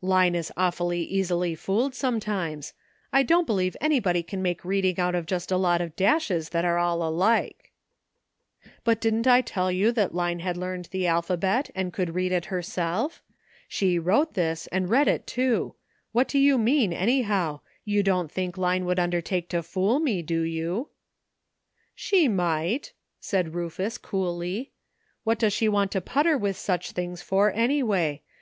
Line is aw fully easily fooled, sometimes ; I don't believe anybody can make reading out of just a lot of dashes that are all alike !"" But didn't I tell you that Line had learned the alphabet, and could read it herself? She wrote this, and read it, too ; what do you mean, anyhow? You don't think Line would under take to fool me, do you? " 256 LEARNING. '* She might," said Rufus coolly ; "what does she want to putter with such things for, any way?